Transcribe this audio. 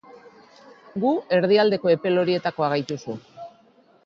Gu erdialdeko epel horietakoak gaituzu.